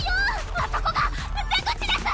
あそこが出口です！